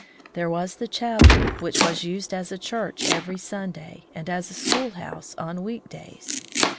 There was the chapel, which was used as a chiu ch every Sunday and as a schoolhouse on week days.